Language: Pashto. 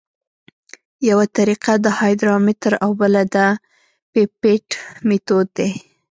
یوه طریقه د هایدرامتر او بله د پیپیټ میتود دی